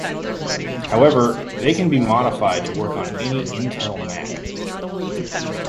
However, they can be modified to work on any Intel Mac.